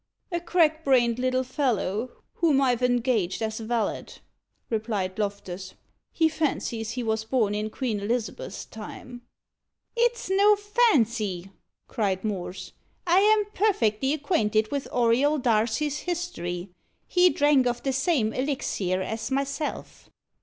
"A crack brained little fellow, whom I've engaged as valet," replied Loftus. "He fancies he was born in Queen Elizabeth's time." "It's no fancy," cried Morse. "I am perfectly acquainted with Auriol Darcy's history. He drank of the same elixir as myself."